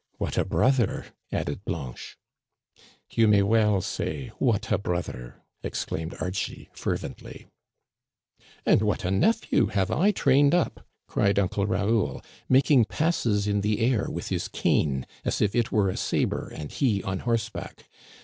"What a brother !" added Blanche. "You may well say what a brother," exclaimed Archie fervently. Digitized by VjOOQIC 236 ^^^ CANADIANS OF OLD, "And what a nephew have I trained up!" cried Uncle Raoul, making passes in the air with his cane, as if it were a saber and he on horseback.